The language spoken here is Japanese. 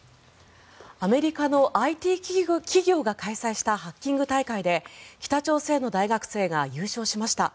アメリカのＩＴ企業が開催したハッキング大会で北朝鮮の大学生が優勝しました。